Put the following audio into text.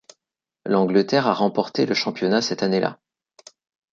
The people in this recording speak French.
L'Angleterre a remporté le championnat cette année-là.